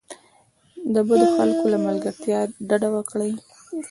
د بدو خلکو له ملګرتیا ډډه وکړئ.